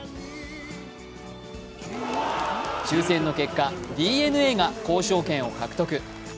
抽選の結果、ＤｅＮＡが交渉権を獲得。